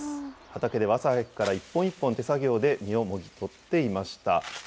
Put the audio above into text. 畑では朝早くから一本一本手作業で実をもぎ取っていました。